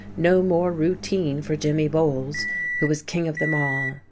No more routine for Jimmy Bowles, who was king of them all.